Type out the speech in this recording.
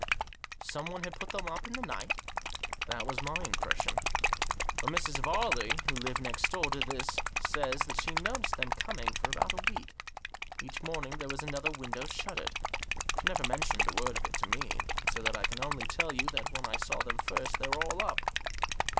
" Someone had put them up in the night ?"" That was my impression. But Mrs. Varley, who lives next door to this, says that she noticed them coming for about a week. Each morning there was another window shuttered. She never mentioned a word of it to me ; so that I can only tell you that when I saw them first they were all up."